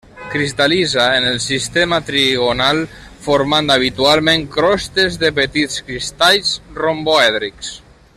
Cristal·litza en el sistema trigonal, formant habitualment crostes de petits cristalls romboèdrics.